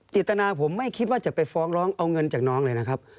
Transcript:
จิตนาผมไม่คิดว่าจะไปฟ้องร้องเอาเงินจากน้องเลยนะครับ